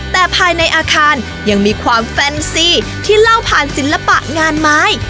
แต่ภายในอาคารยังมีความแฟนซีที่เล่าผ่านศิลปะงานไม้